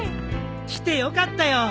来てよかったよ。